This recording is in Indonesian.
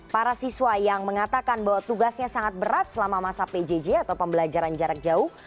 para siswa yang mengatakan bahwa tugasnya sangat berat selama masa pjj atau pembelajaran jarak jauh